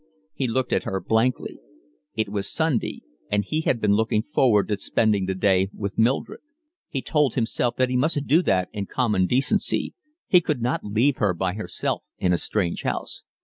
He looked at her blankly. It was Sunday, and he had been looking forward to spending the day with Mildred. He told himself that he must do that in common decency; he could not leave her by herself in a strange house.